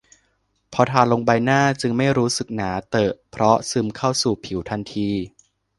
พอทาลงบนใบหน้าจึงไม่รู้สึกหนาเตอะเพราะซึมเข้าสู่ผิวทันที